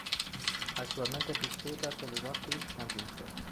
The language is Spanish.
Actualmente, disputa del Rugby Championship.